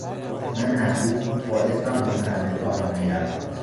من هر روز با اسنپ به محل کارم میروم.